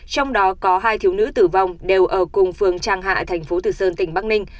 trong đó có hai thiếu nữ tử vong đều ở cùng phường trang hạ tp tử sơn tỉnh bắc ninh